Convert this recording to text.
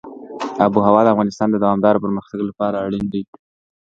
آب وهوا د افغانستان د دوامداره پرمختګ لپاره اړین دي.